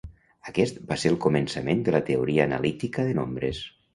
Aquest va ser el començament de la teoria analítica de nombres.